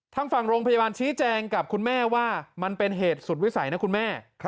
ทางฝั่งโรงพยาบาลชี้แจงกับคุณแม่ว่ามันเป็นเหตุสุดวิสัยนะคุณแม่